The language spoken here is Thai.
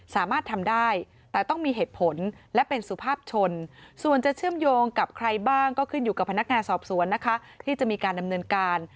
สามารถทำได้แต่ต้องมีเหตุผลและเป็นสุภาพชนส่วนจะเชื่อมโยงกับใครบ้างก็ขึ้นอยู่กับพนักงานสอบสวนนะคะที่จะมีการดำเนินการ